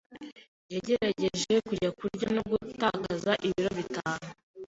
Yagerageje kujya kurya no gutakaza ibiro bitanu.